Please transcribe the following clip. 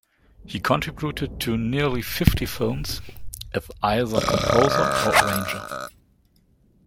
He contributed to nearly fifty films as either composer or arranger.